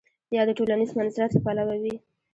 یا د ټولنیز منزلت له پلوه وي.